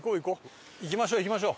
行きましょう行きましょう。